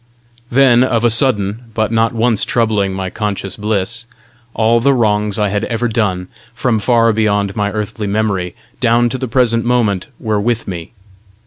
Then, of a sudden, but not once troubling my conscious bliss, all the wrongs I had ever done, from far beyond my earthly memory down to the present moment, were with me.